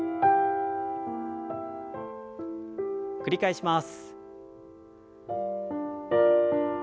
繰り返します。